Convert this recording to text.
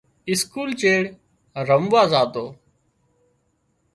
اسڪول چيڙ رموازاتو